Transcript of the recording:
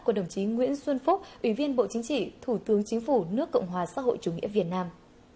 của đồng chí nguyễn xuân phúc ủy viên bộ chính trị thủ tướng chính phủ nước cộng hòa xã hội chủ nghĩa việt nam